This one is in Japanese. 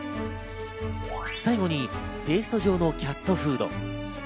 最後にペースト状のキャットフード。